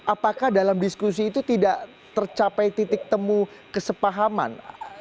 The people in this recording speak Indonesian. apakah dalam diskusi itu tidak tercapai titik temu kesepahaman